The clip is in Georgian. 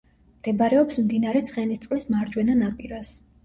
მდებარეობს მდინარე ცხენისწყლის მარჯვენა ნაპირას.